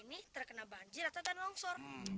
ini terkena banjir atau tanah longsor